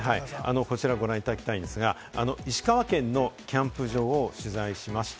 こちらご覧いただきたいんですが、石川県のキャンプ場を取材しました。